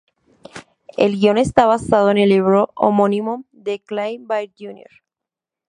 El guion está basado en el libro homónimo de Clay Blair Jr.